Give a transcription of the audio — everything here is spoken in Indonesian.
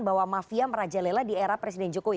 bahwa mafia meraja lela di era presiden jokowi